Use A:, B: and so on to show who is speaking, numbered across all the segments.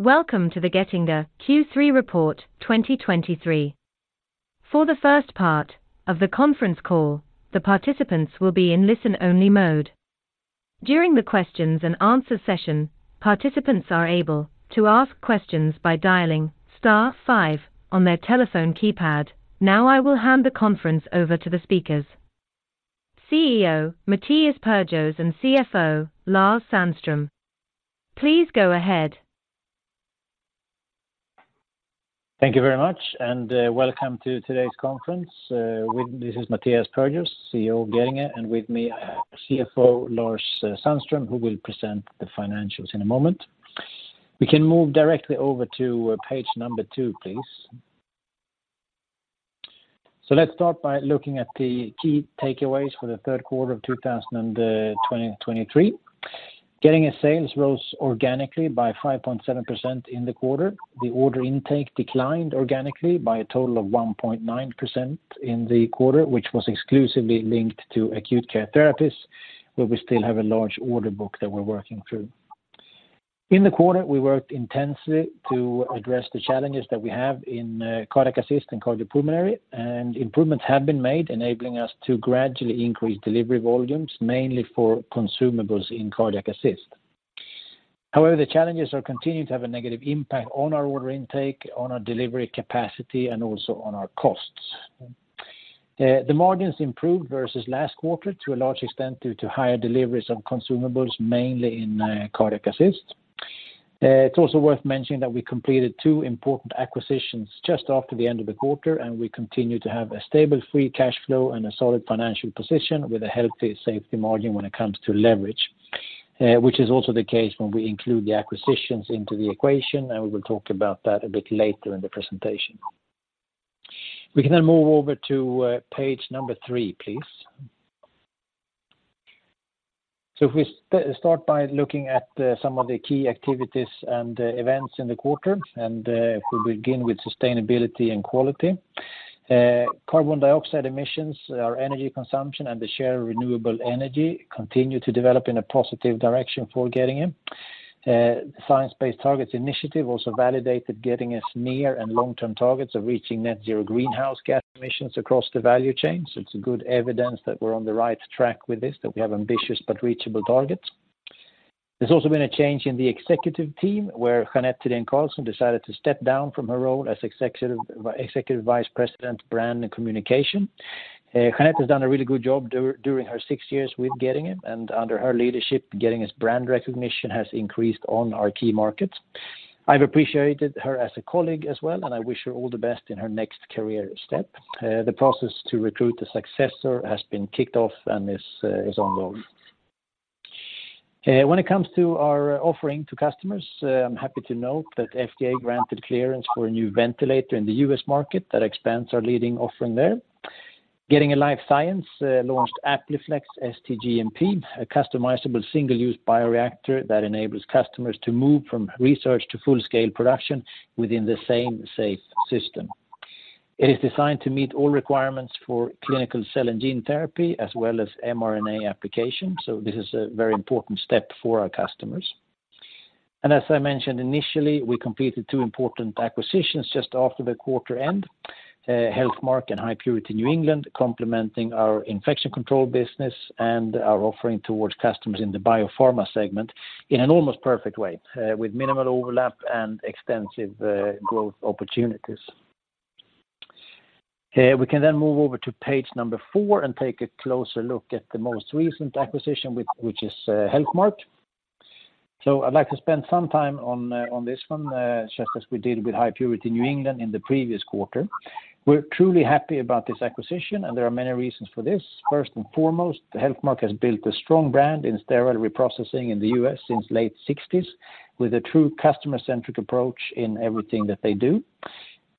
A: Welcome to the Getinge Q3 Report 2023. For the first part of the conference call, the participants will be in listen-only mode. During the questions and answer session, participants are able to ask questions by dialing star five on their telephone keypad. Now, I will hand the conference over to the speakers, CEO Mattias Perjos and CFO Lars Sandström. Please go ahead.
B: Thank you very much, and welcome to today's conference. This is Mattias Perjos, CEO of Getinge, and with me, CFO Lars Sandström, who will present the financials in a moment. We can move directly over to page number 2, please. So let's start by looking at the key takeaways for the third quarter of 2023. Getinge sales rose organically by 5.7% in the quarter. The order intake declined organically by a total of 1.9% in the quarter, which was exclusively linked to Acute Care Therapies, where we still have a large order book that we're working through. In the quarter, we worked intensely to address the challenges that we have in Cardiac assist and Cardiopulmonary, and improvements have been made, enabling us to gradually increase delivery volumes, mainly for consumables in Cardiac assist. However, the challenges are continuing to have a negative impact on our order intake, on our delivery capacity, and also on our costs. The margins improved versus last quarter, to a large extent, due to higher deliveries of consumables, mainly in Cardiac assist. It's also worth mentioning that we completed two important acquisitions just after the end of the quarter, and we continue to have a stable free cash flow and a solid financial position with a healthy safety margin when it comes to leverage. Which is also the case when we include the acquisitions into the equation, and we will talk about that a bit later in the presentation. We can then move over to page number three, please. So if we start by looking at some of the key activities and events in the quarter, and we will begin with sustainability and quality. Carbon dioxide emissions, our energy consumption, and the share of renewable energy continue to develop in a positive direction for Getinge. The Science-Based Targets initiative also validated Getinge's near and long-term targets of reaching net zero greenhouse gas emissions across the value chain. So it is good evidence that, we're on the right track with this, that we have ambitious but reachable targets. There's also been a change in the executive team, where Jeanette Hedén Carlsson decided to step down from her role as Executive Vice President, Brand and Communication. Jeanette has done a really good job during her six years with Getinge, and under her leadership, Getinge's brand recognition has increased on our key markets. I've appreciated her as a colleague as well, and I wish her all the best in her next career step. The process to recruit a successor has been kicked off and is ongoing. When it comes to our offering to customers, I'm happy to note that FDA granted clearance for a new ventilator in the US market that expands our leading offering there. Getinge Life Science launched AppliFlex ST GMP, a customizable single-use bioreactor that enables customers to move from research to full-scale production within the same safe system. It is designed to meet all requirements for clinical cell and gene therapy, as well as mRNA application, so this is a very important step for our customers. And as I mentioned initially, we completed 2 important acquisitions just after the quarter end. Healthmark and High Purity New England, complementing our Infection Control business and our offering towards customers in the biopharma segment in an almost perfect way, with minimal overlap and extensive growth opportunities. We can then move over to page number 4 and take a closer look at the most recent acquisition, which is Healthmark. So I'd like to spend some time on this one, just as we did with High Purity New England in the previous quarter. We're truly happy about this acquisition, and there are many reasons for this. First and foremost, Healthmark has built a strong brand in sterile reprocessing in the U.S. since the late 1960s, with a true customer-centric approach in everything that they do.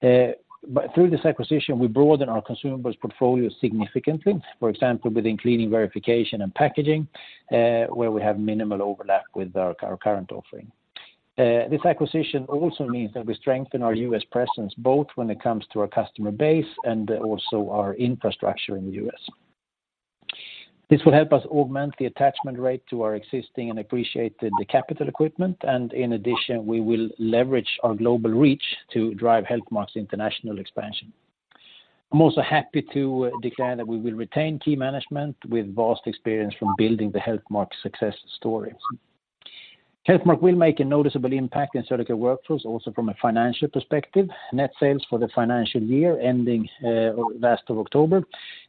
B: But through this acquisition, we broaden our consumables portfolio significantly. For example, within cleaning, verification, and packaging, where we have minimal overlap with our current offering. This acquisition also means that we strengthen our U.S. presence, both when it comes to our customer base and also our infrastructure in the U.S. This will help us augment the attachment rate to our existing and appreciated capital equipment, and in addition, we will leverage our global reach to drive Healthmark's international expansion. I'm also happy to declare that we will retain key management with vast experience from building the Healthmark success story. Healthmark will make a noticeable impact in surgical workflows, also from a financial perspective. Net sales for the financial year ending at the end of October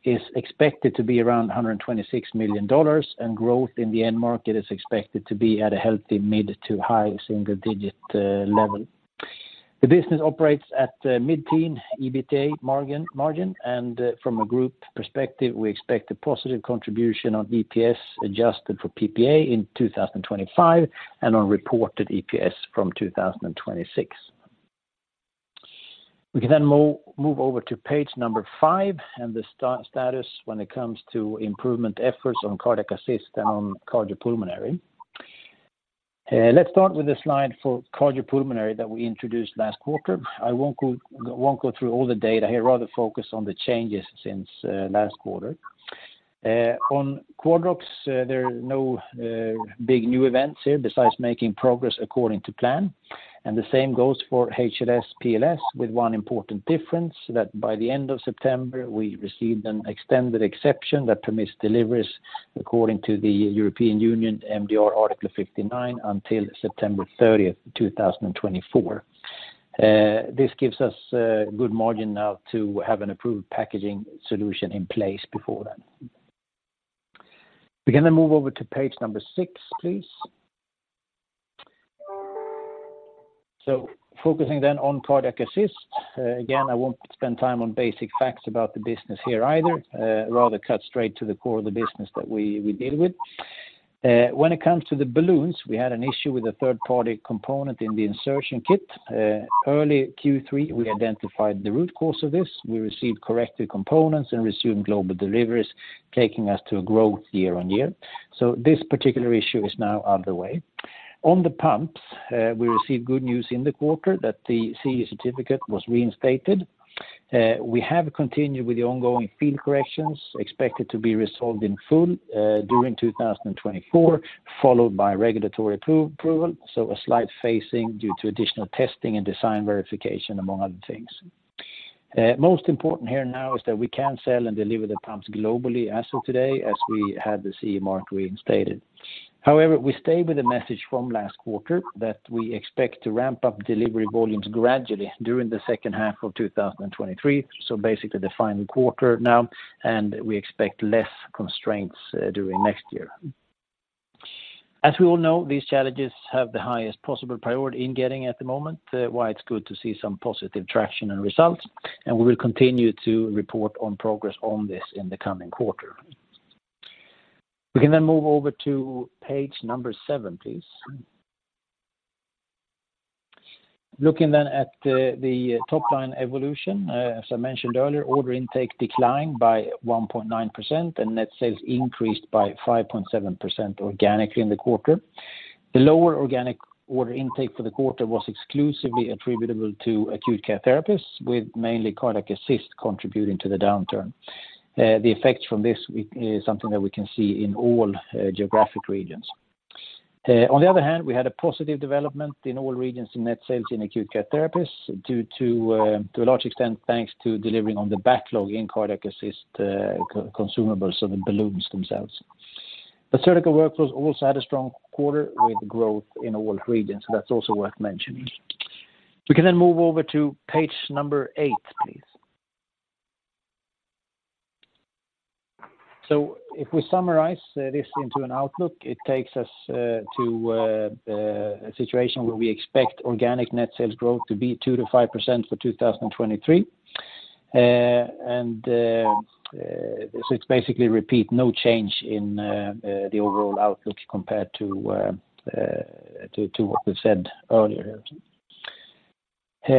B: is expected to be around $126 million, and growth in the end market is expected to be at a healthy mid- to high-single-digit level. The business operates at a mid-teen EBITDA margin and, from a group perspective, we expect a positive contribution on EPS, adjusted for PPA in 2025, and on reported EPS from 2026. We can then move over to page 5 and the status when it comes to improvement efforts on cardiac assist and on cardiopulmonary. Let's start with a slide for cardiopulmonary that we introduced last quarter. I won't go through all the data here, rather focus on the changes since last quarter. On Quadrox, there are no big new events here besides making progress according to plan, and the same goes for HLS/PLS, with one important difference, that by the end of September, we received an extended exception that permits deliveries according to the European Union MDR, Article 59, until September 30, 2024. This gives us good margin now to have an approved packaging solution in place before then. We can then move over to page number 6, please. So focusing then on cardiac assist. Again, I won't spend time on basic facts about the business here either. Rather cut straight to the core of the business that we deal with. When it comes to the balloons, we had an issue with a third-party component in the insertion kit. Early Q3, we identified the root cause of this. We received corrected components and resumed global deliveries, resulting in year-on-year growth. So this particular issue is now out of the way. On the pumps, we received good news in the quarter that the CE certificate was reinstated. We have continued with the ongoing field corrections, expected to be resolved in full during 2024, followed by regulatory approval, so a slight phasing due to additional testing and design verification, among other things. Most important here now is that we can sell and deliver the pumps globally as of today, as we had the CE mark reinstated. However, we stay with the message from last quarter that we expect to ramp up delivery volumes gradually during the second half of 2023, so basically the final quarter now, and we expect less constraints during next year. As we all know, these challenges have the highest possible priority in Getinge at the moment. Why it's good to see some positive traction and results, and we will continue to report on progress on this in the coming quarter. We can then move over to page 7, please. Looking then at the top-line evolution, as I mentioned earlier, order intake declined by 1.9%, and net sales increased by 5.7% organically in the quarter. The lower organic order intake for the quarter was exclusively attributable to Acute Care Therapies, with mainly cardiac assist contributing to the downturn. The effect from this week is something that we can see in all geographic regions. On the other hand, we had a positive development in all regions in net sales in Acute Care Therapies, due to, a large extent, thanks to delivering on the backlog in cardiac assist, co-consumables, so the balloons themselves. The Surgical Workflows also had a strong quarter with growth in all regions. So that's also worth mentioning. We can then move over to page 8, please. So if we summarize, this into an outlook, it takes us, to, a situation where we expect organic net sales growth to be 2%-5% for 2023. And, so it's basically repeat, no change in, the overall outlook compared to, what we said earlier.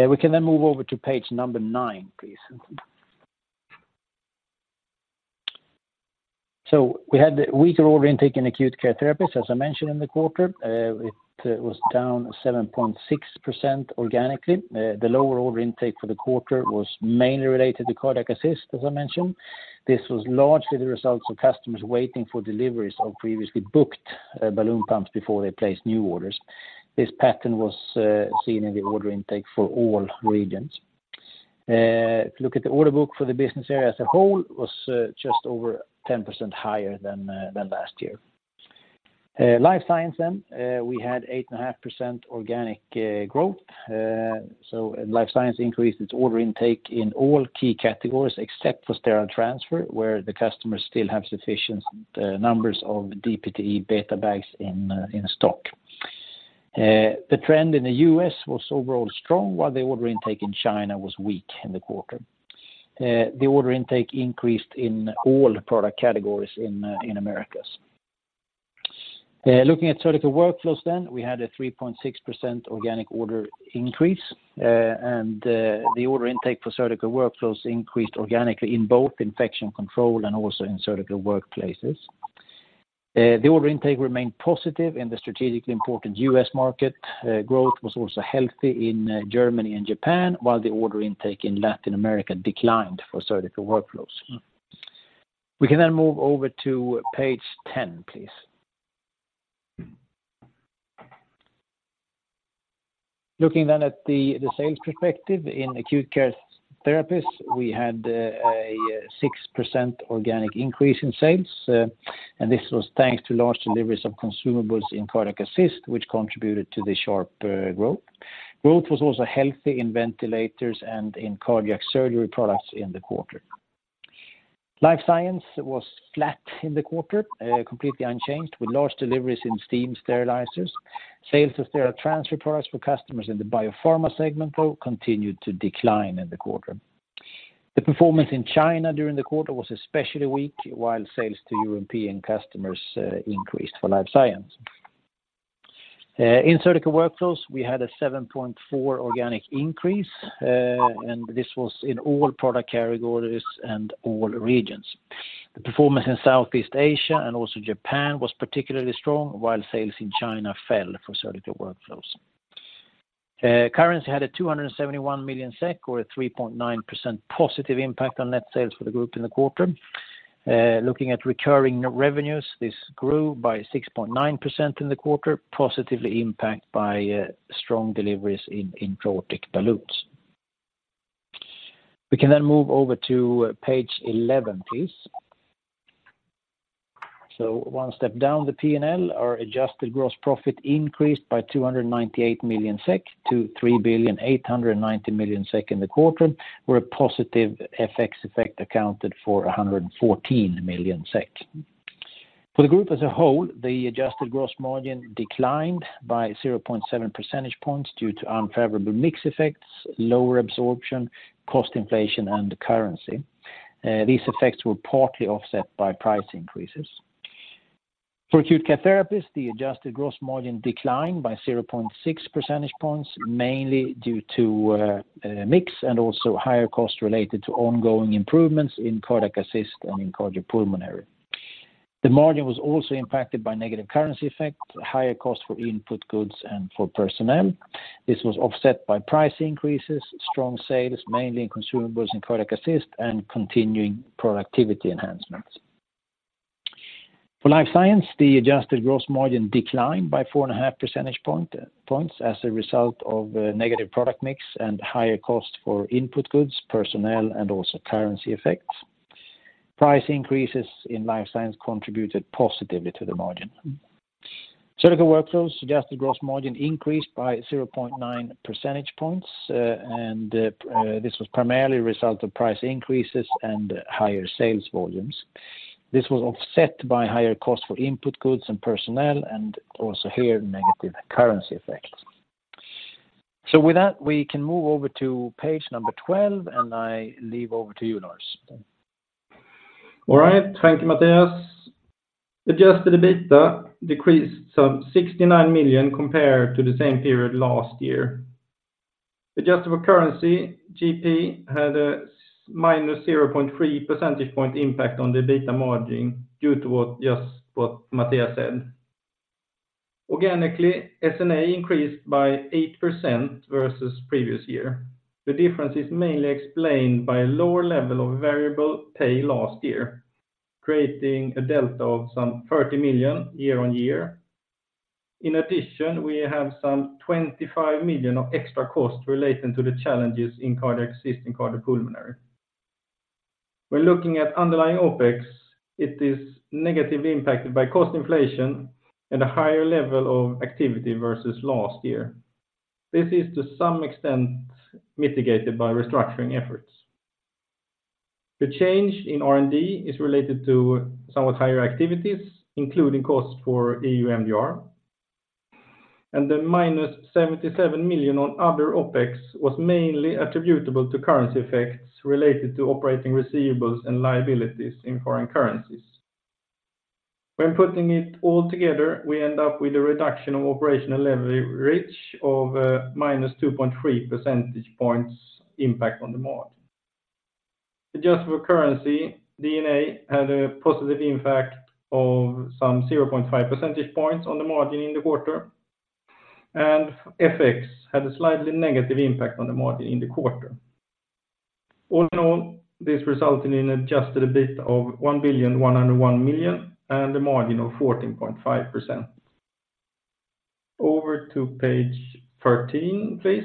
B: We can then move over to page 9, please. So we had weaker order intake in Acute Care Therapies, as I mentioned in the quarter. It was down 7.6% organically. The lower order intake for the quarter was mainly related to cardiac assist, as I mentioned. This was largely the result of customers waiting for deliveries of previously booked balloon pumps before they placed new orders. This pattern was seen in the order intake for all regions. If you look at the order book for the business area as a whole, was just over 10% higher than last year. Life Science, we had 8.5% organic growth. So Life Science increased its order intake in all key categories, except for Sterile Transfer, where the customers still have sufficient numbers of DPTE BetaBags in stock. The trend in the US was overall strong, while the order intake in China was weak in the quarter. The order intake increased in all product categories in Americas. Looking at Surgical Workflows then, we had a 3.6% organic order increase, and the order intake for Surgical Workflows increased organically in both infection control and also in Surgical Workplaces. The order intake remained positive in the strategically important US market. Growth was also healthy in Germany and Japan, while the order intake in Latin America declined for Surgical Workflows. We can then move over to page 10, please. Looking then at the sales perspective in Acute Care Therapies, we had a 6% organic increase in sales, and this was thanks to large deliveries of consumables in cardiac assist, which contributed to the sharp growth. Growth was also healthy in ventilators and in cardiac surgery products in the quarter. Life Science was flat in the quarter, completely unchanged, with large deliveries in steam sterilizers. Sales of Sterile Transfer products for customers in the biopharma segment, though, continued to decline in the quarter. The performance in China during the quarter was especially weak, while sales to European customers increased for Life Science. In Surgical Workflows, we had a 7.4 organic increase, and this was in all product categories and all regions. The performance in Southeast Asia and also Japan was particularly strong, while sales in China fell for Surgical Workflows. Currency had a 271 million SEK, or a 3.9% positive impact on net sales for the group in the quarter. Looking at recurring revenues, this grew by 6.9% in the quarter, positively impacted by strong deliveries in aortic balloons. We can then move over to page 11, please. So one step down, the P&L, our adjusted gross profit increased by 298 million SEK to 3.89 billion SEK in the quarter, where a positive FX effect accounted for 114 million SEK. For the group as a whole, the adjusted gross margin declined by 0.7 percentage points due to unfavorable mix effects, lower absorption, cost inflation, and the currency. These effects were partly offset by price increases. For Acute Care Therapies, the adjusted gross margin declined by 0.6 percentage points, mainly due to mix and also higher cost related to ongoing improvements in Cardiac Assist and in Cardiopulmonary. The margin was also impacted by negative currency effects, higher cost for input goods and for personnel. This was offset by price increases, strong sales, mainly in consumables, in Cardiac Assist, and continuing productivity enhancements. For Life Science, the adjusted gross margin declined by 4.5 percentage points as a result of negative product mix and higher cost for input goods, personnel, and also currency effects. Price increases in Life Science contributed positively to the margin. Surgical Workflows saw gross margin increased by 0.9 percentage points, and this was primarily a result of price increases and higher sales volumes. This was offset by higher cost for input goods and personnel, and also here, negative currency effects. So with that, we can move over to page number 12, and I hand over to you, Lars.
C: All right. Thank you, Matthias. Adjusted EBITDA decreased some 69 million compared to the same period last year. Adjusted for currency, GP had a -0.3 percentage point impact on the EBITA margin due to what, just what Matthias said. Organically, EBITA increased by 8% versus previous year. The difference is mainly explained by a lower level of variable pay last year, creating a delta of some 30 million year-over-year. In addition, we have some 25 million of extra costs relating to the challenges in Cardiac Assist and Cardio Pulmonary. When looking at underlying OpEx, it is negatively impacted by cost inflation and a higher level of activity versus last year. This is, to some extent, mitigated by restructuring efforts. The change in R&D is related to somewhat higher activities, including costs for EU MDR. The -77 million on other OpEx was mainly attributable to currency effects related to operating receivables and liabilities in foreign currencies. When putting it all together, we end up with a reduction of operational leverage of -2.3 percentage points impact on the margin. Adjusted for currency, D&A had a positive impact of some 0.5 percentage points on the margin in the quarter, and FX had a slightly negative impact on the margin in the quarter. All in all, this resulted in adjusted EBIT of 1,101 million, and a margin of 14.5%. Over to page 13, please.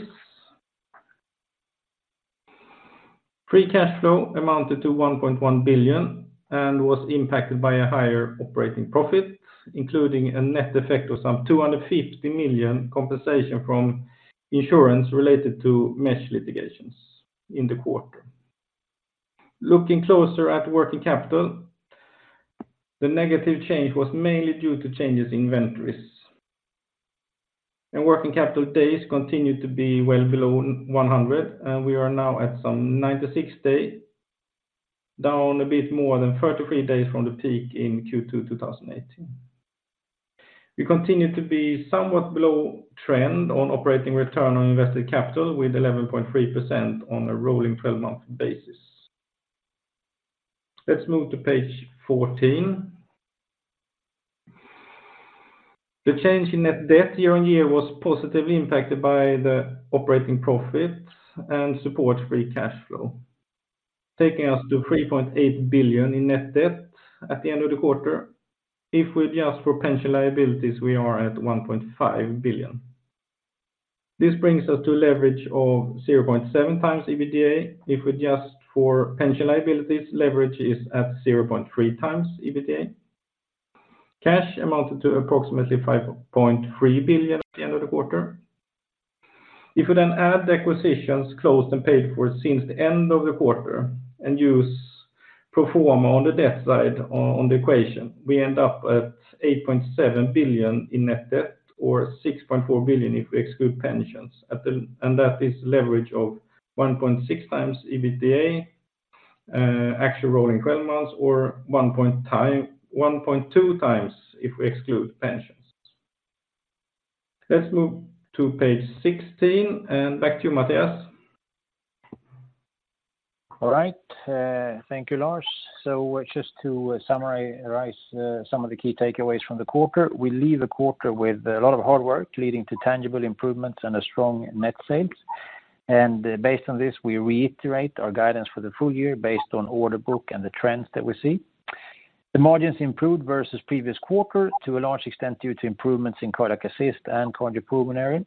C: Free cash flow amounted to 1.1 billion and was impacted by a higher operating profit, including a net effect of some 250 million compensation from insurance related to mesh litigations in the quarter. Looking closer at working capital, the negative change was mainly due to changes in inventories. Working capital days continued to be well below 100, and we are now at some 96 days, down a bit more than 33 days from the peak in Q2 2018. We continue to be somewhat below trend on operating return on invested capital with 11.3% on a rolling 12-month basis. Let's move to page 14. The change in net debt year-on-year was positively impacted by the operating profits and supporting free cash flow, taking us to 3.8 billion in net debt at the end of the quarter. If we adjust for pension liabilities, we are at 1.5 billion. This brings us to leverage of 0.7x EBITDA. If we adjust for pension liabilities, leverage is at 0.3x EBITDA. Cash amounted to approximately 5.3 billion at the end of the quarter. If you then add the acquisitions closed and paid for since the end of the quarter and use pro forma on the debt side on the equation, we end up at 8.7 billion in net debt, or 6.4 billion if we exclude pensions. And that is leverage of 1.6x EBITDA, actual rolling twelve months, or 1.2x if we exclude pensions. Let's move to page 16, and back to you, Mattias.
B: All right, thank you, Lars. So just to summarize, some of the key takeaways from the quarter. We leave the quarter with a lot of hard work, leading to tangible improvements and a strong net sales. And based on this, we reiterate our guidance for the full year based on order book and the trends that we see. The margins improved versus previous quarter, to a large extent, due to improvements in cardiac assist and cardiopulmonary.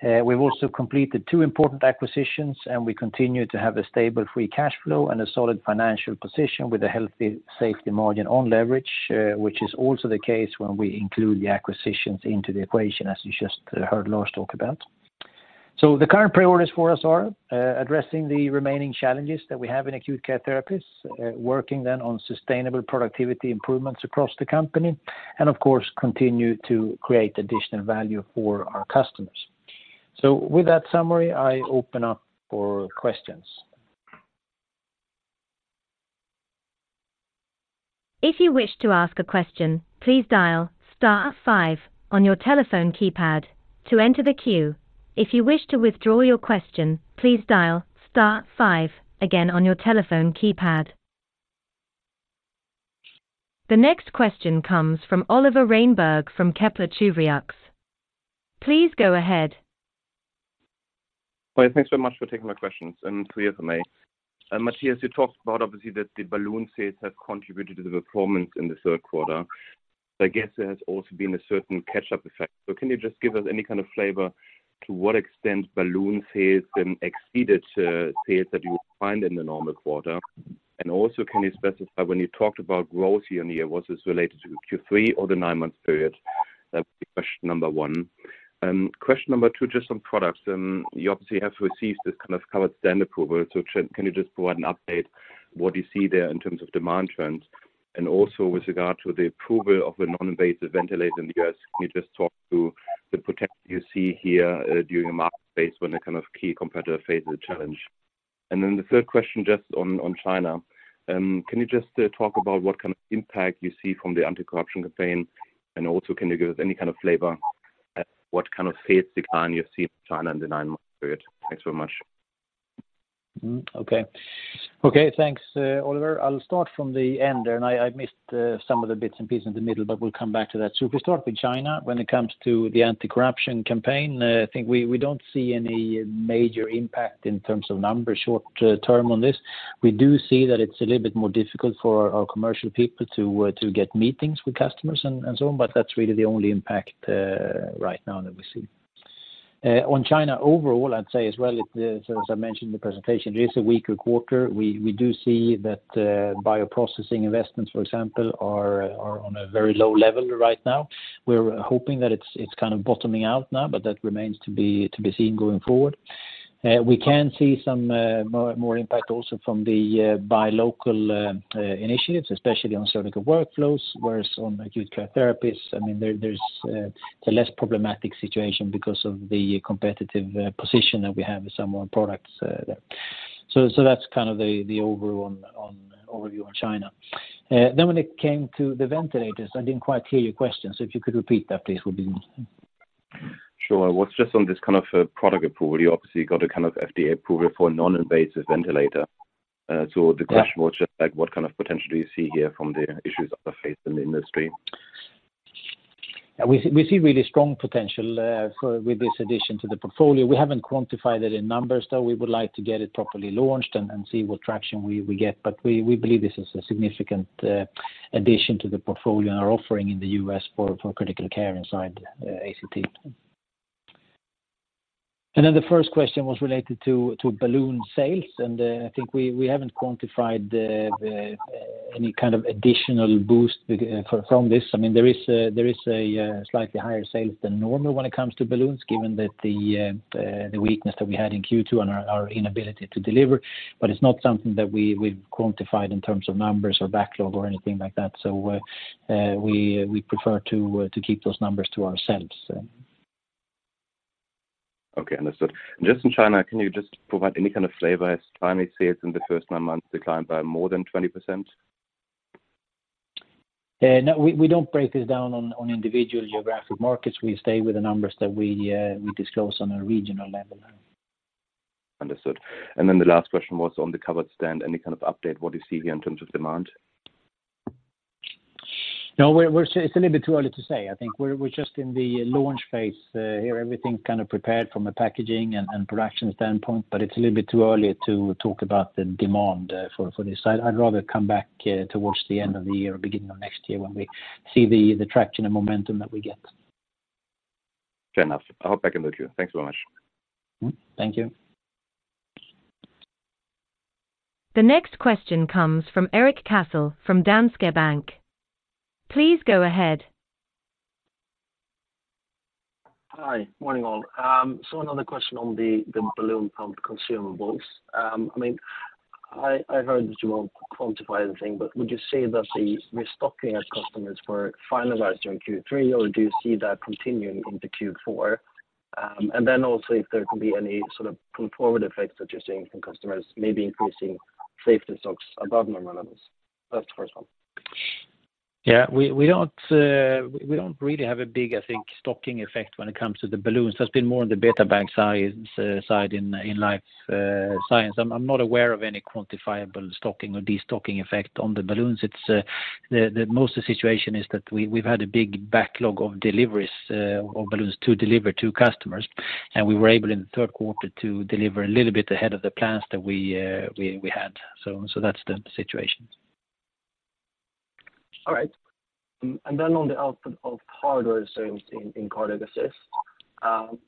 B: We've also completed two important acquisitions, and we continue to have a stable free cash flow and a solid financial position with a healthy safety margin on leverage, which is also the case when we include the acquisitions into the equation, as you just heard Lars talk about. So the current priorities for us are, addressing the remaining challenges that we have in Acute Care Therapies, working then on sustainable productivity improvements across the company, and of course, continue to create additional value for our customers. So with that summary, I open up for questions.
A: If you wish to ask a question, please dial star five on your telephone keypad to enter the queue. If you wish to withdraw your question, please dial star five again on your telephone keypad. The next question comes from Oliver Reinberg from Kepler Cheuvreux. Please go ahead.
D: Well, thanks so much for taking my questions, and clarify for me. Mattias, you talked about obviously that the balloon sales have contributed to the performance in the third quarter. I guess there has also been a certain catch-up effect. So can you just give us any kind of flavor to what extent balloon sales then exceeded sales that you would find in a normal quarter? And also, can you specify when you talked about growth year-on-year, was this related to Q3 or the nine-month period? That's question number one. Question number two, just on products. You obviously have received this kind of CE mark approval. So can you just provide an update, what you see there in terms of demand trends? And also with regard to the approval of the non-invasive ventilator in the U.S., can you just talk to the potential you see here, during a market phase when a kind of key competitor faces a challenge? And then the third question, just on China. Can you just talk about what kind of impact you see from the anti-corruption campaign? And also, can you give us any kind of flavor at what kind of sales decline you see in China in the nine-month period? Thanks so much.
B: Okay, thanks, Oliver. I'll start from the end there, and I missed some of the bits and pieces in the middle, but we'll come back to that. So if we start with China, when it comes to the anti-corruption campaign, I think we don't see any major impact in terms of numbers short term on this. We do see that it's a little bit more difficult for our commercial people to get meetings with customers and so on, but that's really the only impact right now that we see. On China overall, I'd say as well, as I mentioned in the presentation, it is a weaker quarter. We do see that Bioprocessing investments, for example, are on a very low level right now. We're hoping that it's kind of bottoming out now, but that remains to be seen going forward. We can see some more impact also from the buy local initiatives, especially on Surgical Workflows, whereas on Acute Care Therapies, I mean, there's a less problematic situation because of the competitive position that we have with our own products there. So that's kind of the overall overview on China. Then when it came to the ventilators, I didn't quite hear your question. So if you could repeat that, please, would be nice.
D: Sure. I was just on this kind of product approval. You obviously got a kind of FDA approval for a non-invasive ventilator. So the question. was just like, what kind of potential do you see here from the issues that are faced in the industry?
B: We see really strong potential with this addition to the portfolio. We haven't quantified it in numbers, though. We would like to get it properly launched and see what traction we get. But we believe this is a significant addition to the portfolio and our offering in the U.S. for critical care inside ACT. And then the first question was related to balloon sales, and I think we haven't quantified any kind of additional boost from this. I mean, there is a slightly higher sales than normal when it comes to balloons, given that the weakness that we had in Q2 and our inability to deliver, but it's not something that we've quantified in terms of numbers or backlog or anything like that. So, we prefer to keep those numbers to ourselves, so.
D: Okay, understood. Just in China, can you just provide any kind of flavor, as finally, sales in the first nine months declined by more than 20%?
B: No, we don't break this down on individual geographic markets. We stay with the numbers that we disclose on a regional level.
D: Understood. And then the last question was on the covered stand, any kind of update, what you see here in terms of demand?
B: No, we're. It's a little bit too early to say. I think we're just in the launch phase here. Everything kind of prepared from a packaging and production standpoint, but it's a little bit too early to talk about the demand for this. I'd rather come back towards the end of the year or beginning of next year when we see the traction and momentum that we get.
D: Fair enough. I hope I can look you. Thanks so much.
B: Mm-hmm. Thank you.
A: The next question comes from Erik Cassel, from Danske Bank. Please go ahead.
E: Hi, morning, all. So another question on the balloon pump consumables. I mean, I, I heard that you won't quantify anything, but would you say that the restocking as customers were finalized during Q3, or do you see that continuing into Q4? And then also if there can be any sort of pull forward effects that you're seeing from customers, maybe increasing safety stocks above normal levels? That's the first one. We don't really have a big, I think, stocking effect when it comes to the balloons. That's been more on the BetaBag side in Life Science. I'm not aware of any quantifiable stocking or destocking effect on the balloons. It's the most of the situation is that we've had a big backlog of deliveries of balloons to deliver to customers, and we were able, in the third quarter, to deliver a little bit ahead of the plans that we had. So that's the situation. All right. And then on the output of hardware sales in cardiac assist,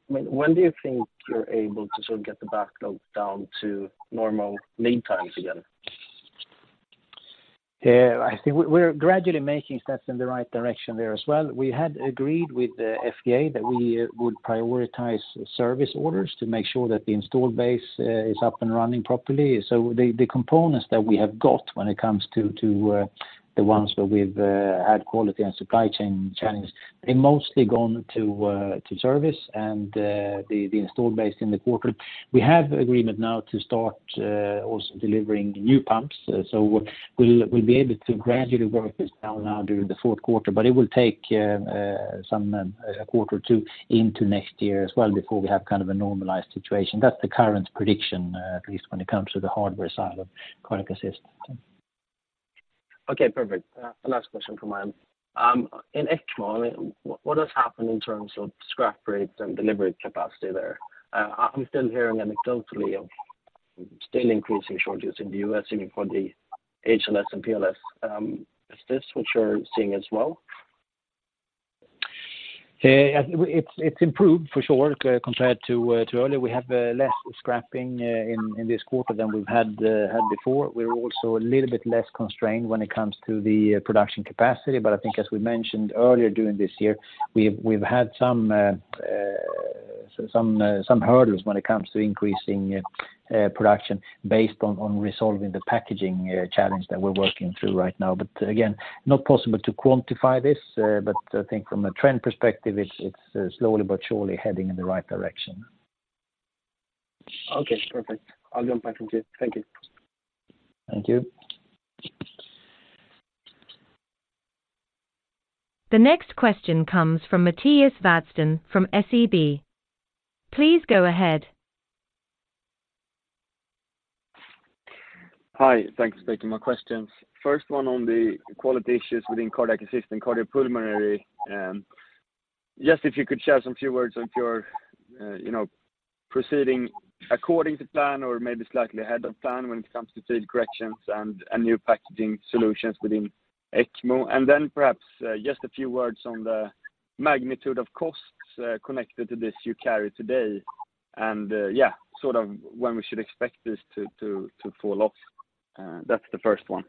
E: when do you think you're able to sort of get the backlog down to normal lead times again?
B: I think we're gradually making steps in the right direction there as well. We had agreed with the FDA that we would prioritize service orders to make sure that the install base is up and running properly. So the components that we have got when it comes to the ones where we've had quality and supply chain challenges, they have mostly gone to service and the install base in the quarter. We have agreement now to start also delivering new pumps. So we'll be able to gradually work this down now during the fourth quarter, but it will take a quarter or two into next year as well, before we have kind of a normalized situation. That's the current prediction at least when it comes to the hardware side of cardiac assist.
E: Okay, perfect. The last question from me. In ECMO, I mean, what has happened in terms of scrap rates and delivery capacity there? I'm still hearing anecdotally of still increasing shortages in the U.S. for the HLS and PLS. Is this what you're seeing as well?
B: It's improved for sure, compared to earlier. We have less scrapping in this quarter than we've had before. We're also a little bit less constrained when it comes to the production capacity. But I think as we mentioned earlier during this year, we've had some hurdles when it comes to increasing production based on resolving the packaging challenge that we're working through right now. But again, not possible to quantify this, but I think from a trend perspective, it's slowly but surely heading in the right direction.
E: Okay, perfect. I'll jump back from here. Thank you.
B: Thank you.
A: The next question comes from Mattias Vadsten from SEB. Please go ahead.
F: Hi, thanks for taking my questions. First one on the quality issues within cardiac assist and cardiopulmonary. Just if you could share some few words on if you're, you know, proceeding according to plan or maybe slightly ahead of plan when it comes to field corrections and new packaging solutions within ECMO. And then perhaps just a few words on the magnitude of costs connected to this you carry today, when we should expect this to fall off. That's the first one.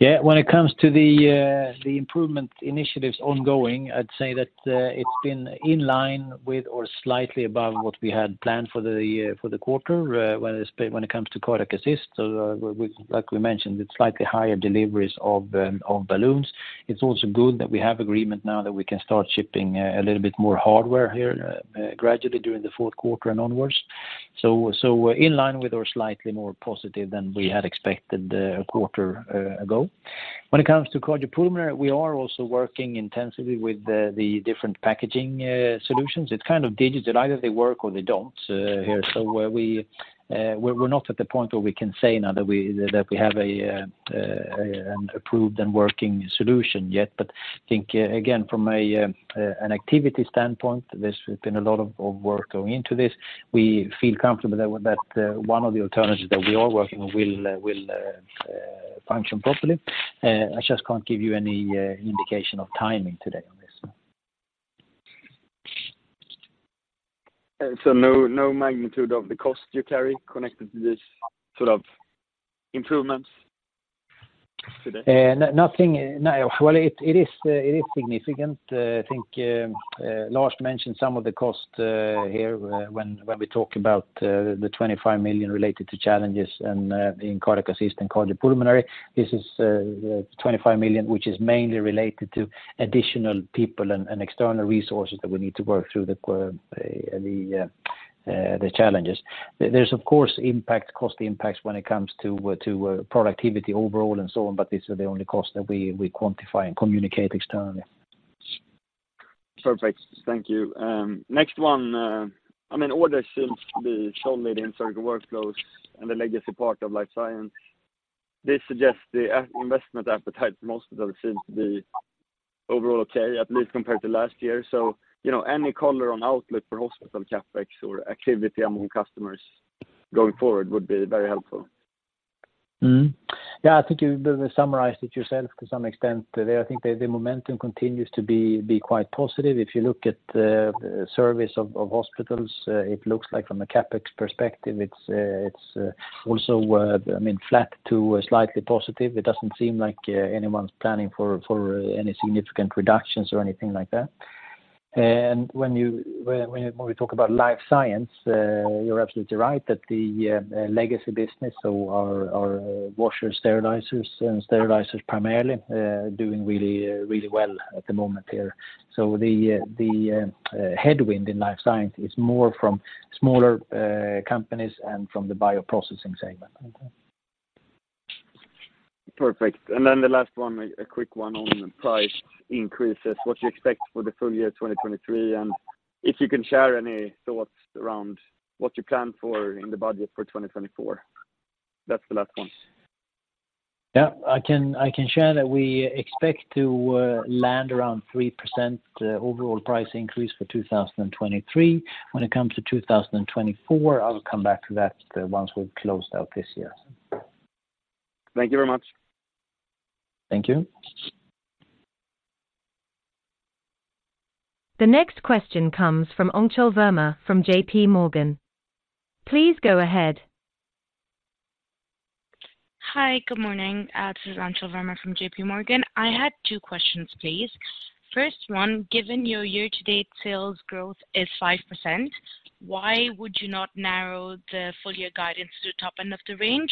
F: When it comes to the improvement initiatives ongoing, I'd say that it's been in line with or slightly above what we had planned for the quarter, when it comes to cardiac assist. So, like we mentioned, it's slightly higher deliveries of balloons. It's also good that we have agreement now that we can start shipping a little bit more hardware here gradually during the fourth quarter and onwards. So we're in line with or slightly more positive than we had expected a quarter ago. When it comes to cardiopulmonary, we are also working intensively with the different packaging solutions. It's kind of digital. Either they work or they don't here.
B: So we're not at the point where we can say now that we have an approved and working solution yet. But I think, again, from an activity standpoint, there's been a lot of work going into this. We feel comfortable that one of the alternatives that we are working will function properly. I just can't give you any indication of timing today on this.
F: So, no, no magnitude of the cost you carry connected to this sort of improvements today?
B: Well, it is significant. I think Lars mentioned some of the cost here, when we talk about the 25 million related to challenges and in cardiac assist and cardiopulmonary. This is 25 million, which is mainly related to additional people and external resources that we need to work through the challenges. There's, of course, impact, cost impacts when it comes to productivity overall and so on, but these are the only costs that we quantify and communicate externally.
F: Perfect. Thank you. Next one, I mean, order seems to be solely in Surgical Workflows and the legacy part of Life Science. This suggests the investment appetite for most of them seems to be overall okay, at least compared to last year. So, you know, any color on outlook for hospital CapEx or activity among customers going forward would be very helpful.
B: I think you summarized it yourself to some extent there. I think the momentum continues to be quite positive. If you look at the service of hospitals, it looks like from a CapEx perspective, it's also, I mean, flat to slightly positive. It doesn't seem like anyone's planning for any significant reductions or anything like that. And when we talk about Life Science, you're absolutely right that the legacy business, so our washer sterilizers and sterilizers primarily, doing really well at the moment here. So the headwind in Life Science is more from smaller companies and from the Bioprocessing segment.
F: Perfect. And then the last one, a quick one on price increases. What do you expect for the full year 2023, and if you can share any thoughts around what you plan for in the budget for 2024? That's the last one.
B: I can, I can share that we expect to land around 3% overall price increase for 2023. When it comes to 2024, I'll come back to that once we've closed out this year.
F: Thank you very much.
B: Thank you.
A: The next question comes from Anchal Verma from J.P. Morgan. Please go ahead.
G: Hi, good morning. This is Anchal Verma from J.P. Morgan. I had two questions, please. First one, given your year-to-date sales growth is 5%, why would you not narrow the full year guidance to the top end of the range?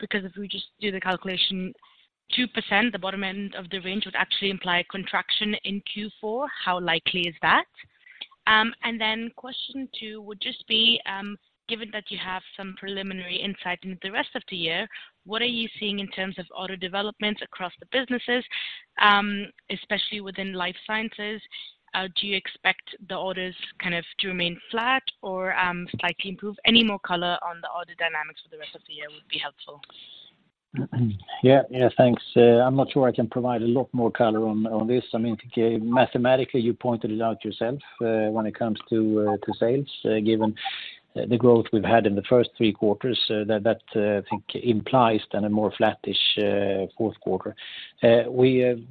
G: Because if we just do the calculation, 2%, the bottom end of the range, would actually imply a contraction in Q4. How likely is that? And then question two would just be, given that you have some preliminary insight into the rest of the year, what are you seeing in terms of order developments across the businesses, especially within Life Sciences? Do you expect the orders kind of to remain flat or, slightly improve? Any more color on the order dynamics for the rest of the year would be helpful.
B: Thanks. I'm not sure I can provide a lot more color on, on this. I mean, mathematically, you pointed it out yourself, when it comes to, sales, given the growth we've had in the first three quarters, that I think implies then a more flattish, fourth quarter. We've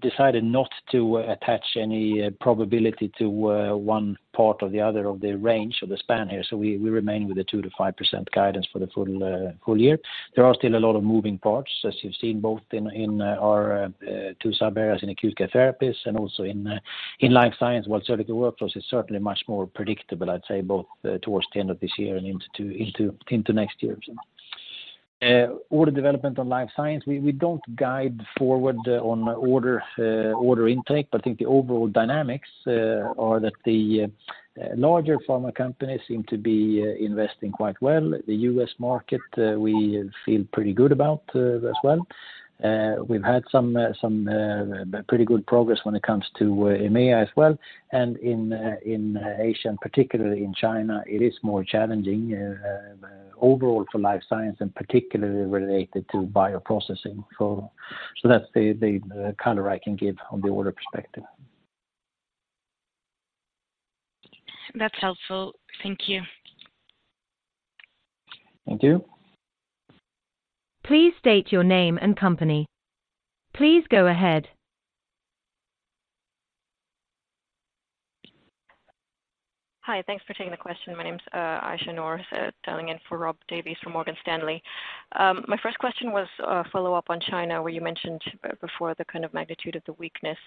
B: decided not to attach any, probability to, one part or the other of the range or the span here, so we remain with the 2%-5% guidance for the full year. There are still a lot of moving parts, as you've seen, both in our two sub-areas, in Acute Care Therapies and also in Life Science, while Surgical Workflows is certainly much more predictable, I'd say, both towards the end of this year and into next year. Order development on Life Science, we don't guide forward on order intake, but I think the overall dynamics are that the larger pharma companies seem to be investing quite well. The US market, we feel pretty good about, as well. We've had some pretty good progress when it comes to EMEA as well. And in Asia, and particularly in China, it is more challenging overall for Life Science and particularly related to bioprocessing. So that's the color I can give on the order perspective.
G: That's helpful. Thank you.
B: Thank you.
A: Please state your name and company. Please go ahead.
H: Hi, thanks for taking the question. My name is Aisyah Noor, dialing in for Rob Davies from Morgan Stanley. My first question was a follow-up on China, where you mentioned before the kind of magnitude of the weakness.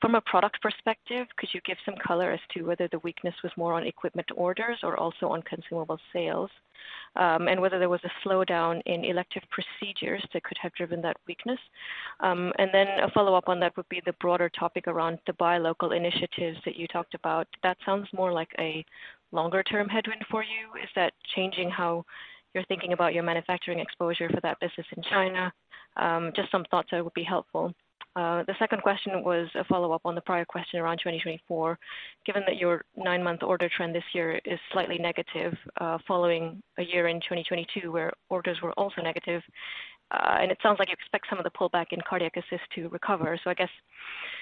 H: From a product perspective, could you give some color as to whether the weakness was more on equipment orders or also on consumable sales? And whether there was a slowdown in elective procedures that could have driven that weakness. And then a follow-up on that would be the broader topic around the buy local initiatives that you talked about. That sounds more like a longer-term headwind for you. Is that changing how you're thinking about your manufacturing exposure for that business in China? Just some thoughts that would be helpful. The second question was a follow-up on the prior question around 2024. Given that your nine-month order trend this year is slightly negative, following a year in 2022, where orders were also negative, and it sounds like you expect some of the pullback in cardiac assist to recover. So I guess, question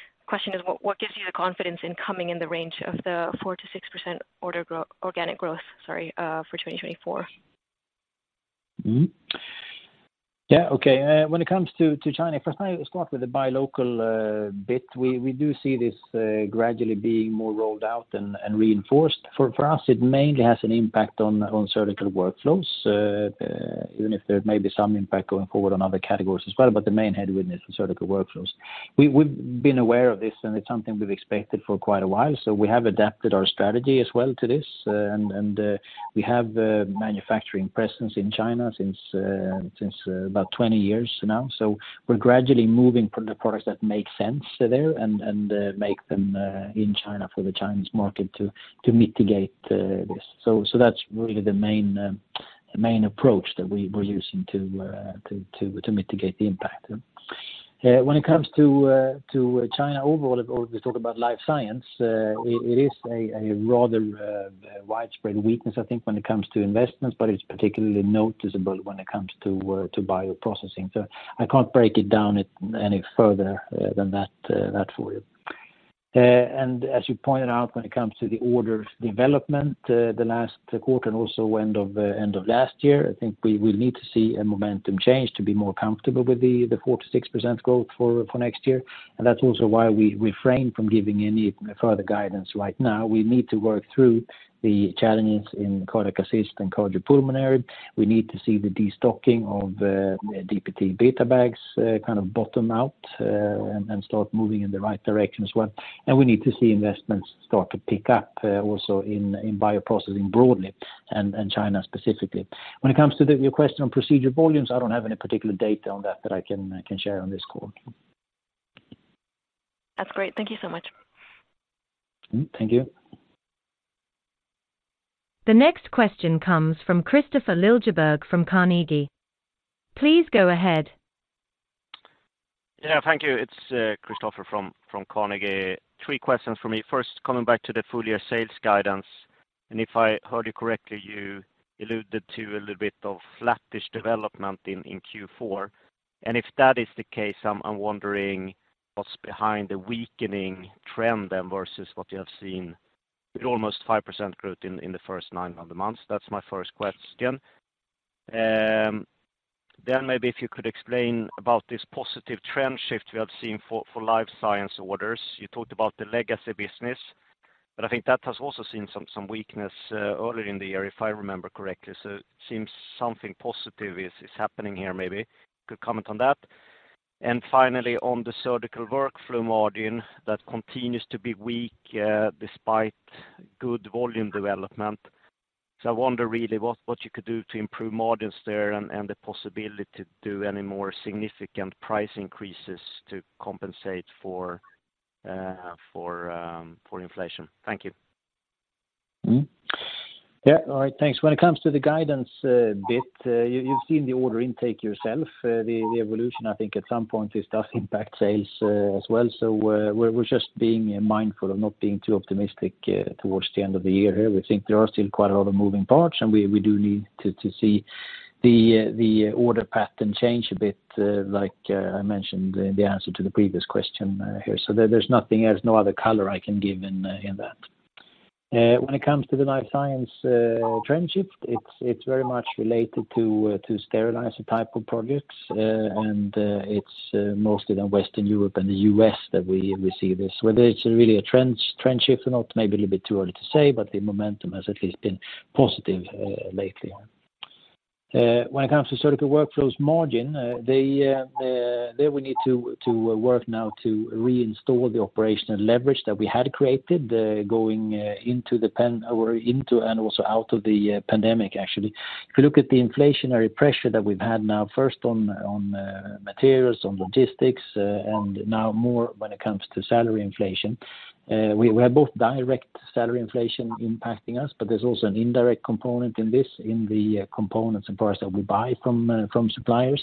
H: is: What gives you the confidence in coming in the 4%-6% organic growth range, sorry, for 2024?
B: Okay. When it comes to China, first, I start with the buy local bit. We do see this gradually being more rolled out and reinforced. For us, it mainly has an impact on Surgical Workflows, even if there may be some impact going forward on other categories as well, but the main headwind is Surgical Workflows. We've been aware of this, and it's something we've expected for quite a while, so we have adapted our strategy as well to this. We have the manufacturing presence in China since about 20 years now. So we're gradually moving from the products that make sense there and make them in China for the Chinese market to mitigate this. So that's really the main approach that we were using to mitigate the impact. When it comes to China overall, or we talk about Life Science, it is a rather widespread weakness, I think, when it comes to investments, but it's particularly noticeable when it comes to Bioprocessing. So I can't break it down any further than that for you. And as you pointed out, when it comes to the order development, the last quarter and also end of last year, I think we will need to see a momentum change to be more comfortable with the 4%-6% growth for next year. And that's also why we refrain from giving any further guidance right now. We need to work through the challenges in cardiac assist and cardiopulmonary. We need to see the destocking of DPTE BetaBag kind of bottom out and start moving in the right direction as well. We need to see investments start to pick up also in bioprocessing broadly and China specifically. When it comes to your question on procedure volumes, I don't have any particular data on that that I can share on this call.
H: That's great. Thank you so much.
B: Mm-hmm. Thank you.
A: The next question comes from Kristofer Liljeberg from Carnegie. Please go ahead.
I: Thank you. It's Kristofer from Carnegie. Three questions for me. First, coming back to the full year sales guidance, and if I heard you correctly, you alluded to a little bit of flattish development in Q4. And if that is the case, I'm wondering what's behind the weakening trend then versus what you have seen with almost 5% growth in the first nine months? That's my first question. Then maybe if you could explain about this positive trend shift we have seen for Life Science orders. You talked about the legacy business, but I think that has also seen some weakness earlier in the year, if I remember correctly. So it seems something positive is happening here maybe. Could you comment on that? And finally, on the Surgical Workflows margin, that continues to be weak despite good volume development. So I wonder really what you could do to improve margins there and the possibility to do any more significant price increases to compensate for inflation. Thank you.
B: All right, thanks. When it comes to the guidance, you've seen the order intake yourself, the evolution. I think at some point this does impact sales as well. So we're just being mindful of not being too optimistic towards the end of the year here. We think there are still quite a lot of moving parts, and we do need to see the order pattern change a bit, like I mentioned in the answer to the previous question here. So there's nothing else, no other color I can give in that. When it comes to the Life Science trend shift, it's very much related to sterilizer type of products, and it's mostly Western Europe and the US that we see this. Whether it's really a trend shift or not, maybe a little bit too early to say, but the momentum has at least been positive lately. When it comes to Surgical Workflows margin, there we need to work now to reinstall the operational leverage that we had created going into and also out of the pandemic, actually. If you look at the inflationary pressure that we've had now, first on materials, on logistics, and now more when it comes to salary inflation, we have both direct salary inflation impacting us, but there's also an indirect component in this, in the components and products that we buy from suppliers.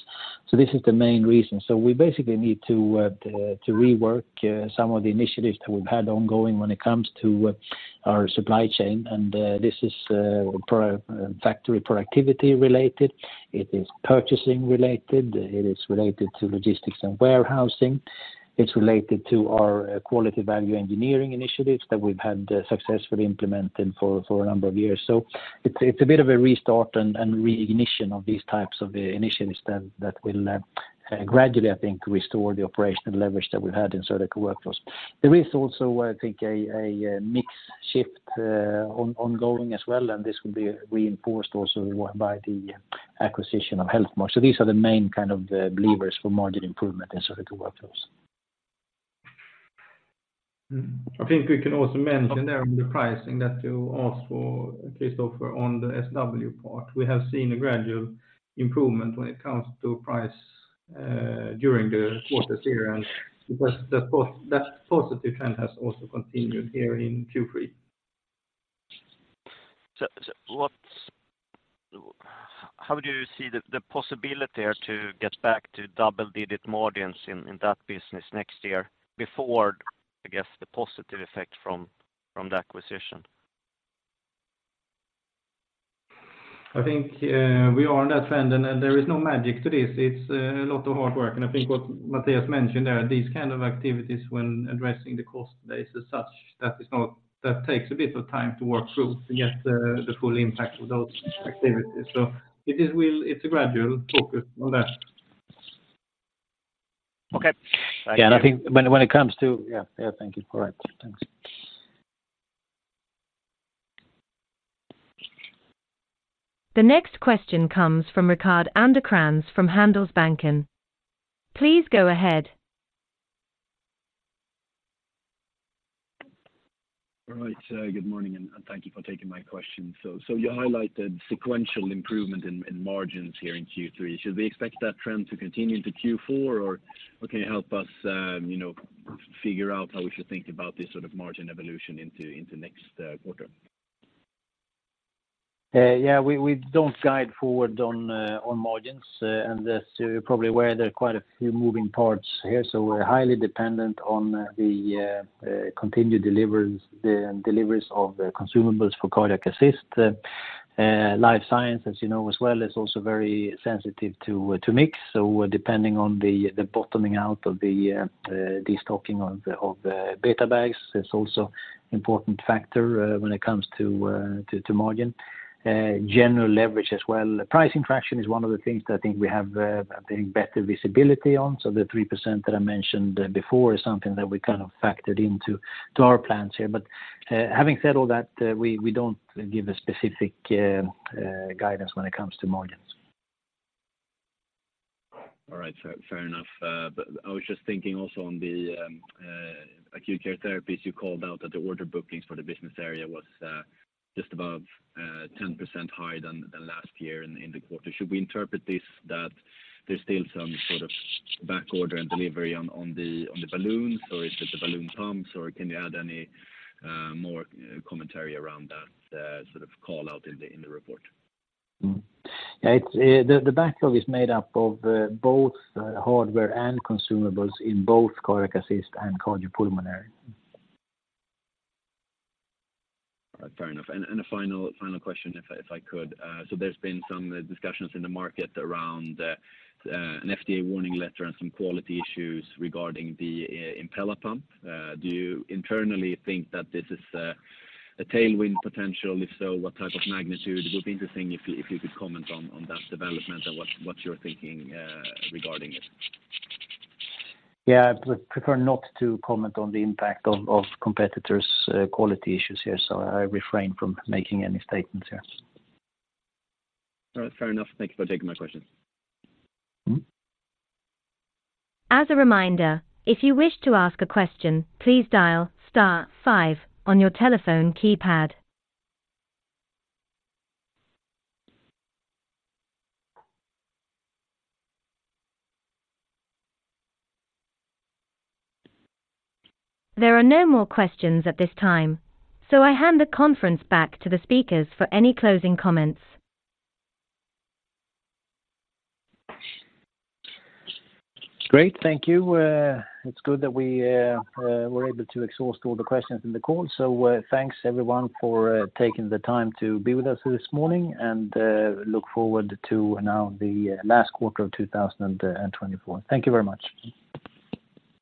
B: This is the main reason. We basically need to rework some of the initiatives that we've had ongoing when it comes to our supply chain. This is factory productivity related, it is purchasing related, it is related to logistics and warehousing. It's related to our quality value engineering initiatives that we've had successfully implemented for a number of years. So it's a bit of a restart and reignition of these types of initiatives that will gradually, I think, restore the operational leverage that we've had in Surgical Workflows. There is also, I think, a mix shift ongoing as well, and this will be reinforced also by the acquisition of Healthmark. So these are the main kind of the levers for margin improvement in Surgical Workflows.
C: I think we can also mention there on the pricing that you asked for, Christopher, on the SW part. We have seen a gradual improvement when it comes to price during the quarter this year, and because that positive trend has also continued here in Q3.
I: How do you see the possibility here to get back to double-digit margins in that business next year before, I guess, the positive effect from the acquisition?
C: I think, we are on that trend, and there is no magic to this. It's a lot of hard work, and I think what Mattias mentioned there, these kind of activities when addressing the cost base as such, that takes a bit of time to work through to get the full impact of those activities. So it is real, it's a gradual focus on that.
I: Okay. I think when it comes to. thank you. Correct. Thanks.
A: The next question comes from Rickard Anderkrans from Handelsbanken. Please go ahead.
J: All right, good morning, and thank you for taking my question. So you highlighted sequential improvement in margins here in Q3. Should we expect that trend to continue into Q4, or can you help us, you know, figure out how we should think about this sort of margin evolution into next quarter?
B: We don't guide forward on, on margins, and as you're probably aware, there are quite a few moving parts here, so we're highly dependent on the, continued deliveries, the deliveries of the consumables for cardiac assist. Life Science, as you know as well, is also very sensitive to mix. So depending on the bottoming out of the destocking of the, of the beta bags, it's also important factor when it comes to, margin, general leverage as well. Price inflation is one of the things that I think we have, I think, better visibility on. So the 3% that I mentioned before is something that we kind of factored into, to our plans here. But, having said all that, we don't give a specific guidance when it comes to margins.
J: All right, fair, fair enough. But I was just thinking also on the Acute Care Therapies, you called out that the order bookings for the business area was just about 10% higher than the last year in the quarter. Should we interpret this that there's still some sort of back order and delivery on the balloons, or is it the balloon pumps, or can you add any more commentary around that sort of call out in the report? It's the backflow is made up of both hardware and consumables in both cardiac assist and cardiopulmonary. All right. Fair enough. And a final, final question, if I could. So there's been some discussions in the market around an FDA warning letter and some quality issues regarding the Impella pump. Do you internally think that this is a tailwind potential? If so, what type of magnitude? It would be interesting if you could comment on that development and what you're thinking regarding it.
B: I would prefer not to comment on the impact of competitors' quality issues here, so I refrain from making any statements here.
J: All right. Fair enough. Thank you for taking my question. Mm-hmm.
A: As a reminder, if you wish to ask a question, please dial star five on your telephone keypad. There are no more questions at this time, so I hand the conference back to the speakers for any closing comments.
B: Great. Thank you. It's good that we're able to exhaust all the questions in the call. So, thanks everyone for, taking the time to be with us this morning, and, look forward to now the, last quarter of 2024. Thank you very much.